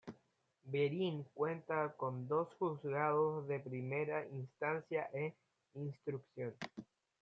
Verín cuenta con dos Juzgados de Primera Instancia e Instrucción.